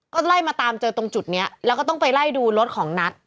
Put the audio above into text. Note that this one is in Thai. ก็ไล่มาตามเจอตรงจุดนี้แล้วก็ต้องไปไล่ดูรถของนัท